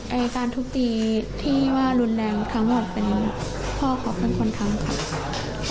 การทุบตีที่ว่ารุนแรงทั้งหมดเป็นพ่อเขาเป็นคนทำค่ะ